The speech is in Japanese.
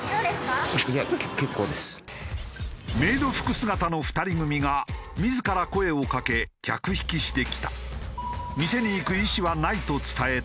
メイド服姿の２人組が自ら声を掛け客引きしてきた。